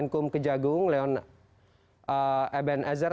angkum kejagung leon ebenezer